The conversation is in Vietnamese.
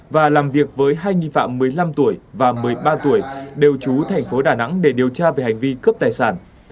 và làm việc với hai nghi phạm một mươi năm tuổi và một mươi ba tuổi đều trú thành phố đà nẵng để điều tra về hành vi cướp tài sản